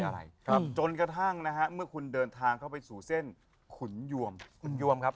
แจ๊คจิลวันนี้เขาสองคนไม่ได้มามูเรื่องกุมาทองอย่างเดียวแต่ว่าจะมาเล่าเรื่องประสบการณ์นะครับ